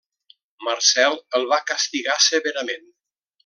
Marcel el va castigar severament.